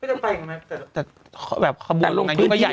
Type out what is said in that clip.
ไม่เคยไปแต่คะบรุนใหญ่ก็อย่างนั้นค่ะ